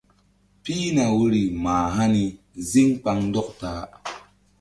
Pihna woyri mah hani zíŋ kpaŋndɔk ta-a.